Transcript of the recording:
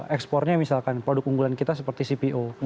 ekspornya misalkan produk unggulan kita seperti cpo